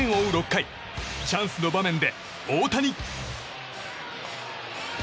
６回チャンスの場面で大谷。